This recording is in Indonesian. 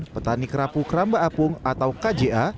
petani kerapu keramba apung atau kja